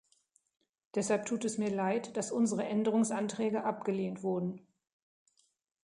Deshalb tut es mir Leid, dass unsere Änderungsanträge abgelehnt wurden.